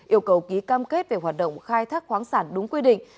yêu cầu ký cam kết về hoạt động khai thác khoáng sản đúng quy định